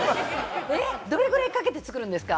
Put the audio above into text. どれぐらいかけて作るんですか？